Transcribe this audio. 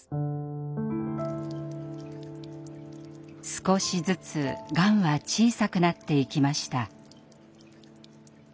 少しずつがんは小さくなっていきました。